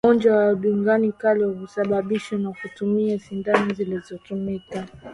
Ugonjwa wa ndigana kali husababishwa na kutumia sindano zilizotumika